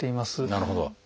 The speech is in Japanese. なるほど。